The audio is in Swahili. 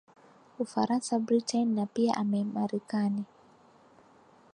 ufaransa britain na pia ame marekani